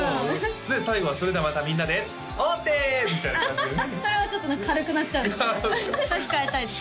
最後は「それではまたみんなで大手！」みたいな感じでそれはちょっと軽くなっちゃうんでそれは控えたいですね